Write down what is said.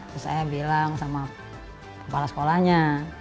terus saya bilang sama kepala sekolahnya